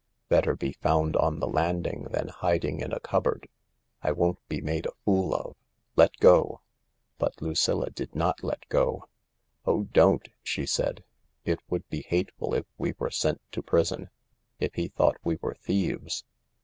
"Better be found on the landing than hiding in a cup board. I won't be made a fool of— let go I " But Lucilla did not let go. " Oh, don't !" she said. " It would be hateful if we were sent to prison — if he thought we were thieves."